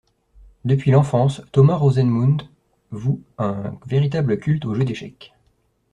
Depuis l'enfance, Thomas Rosenmund voue un véritable culte au jeu d'échecs.